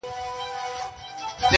له سالو سره به څوك ستايي اورونه!